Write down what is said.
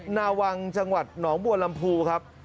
นาวังจังหวัดหนองบัวลำพูครับ